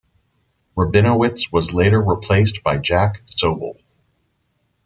Rabinowitz was later replaced by Jack Soble.